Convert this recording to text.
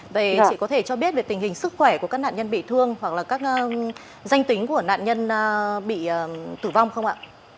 vậy chị có thể cho biết về tình hình sức khỏe của các nạn nhân bị thương hoặc là các danh tính của nạn nhân bị tử vong không ạ